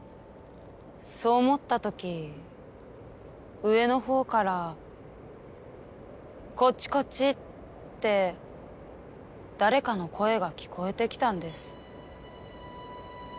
そう思った時上の方から「こっちこっち」って誰かの声が聞こえてきたんです。